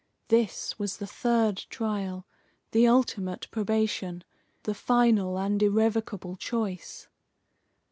This was the third trial, the ultimate probation, the final and irrevocable choice.